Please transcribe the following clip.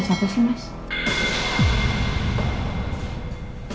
hah tapi kesini buat kamu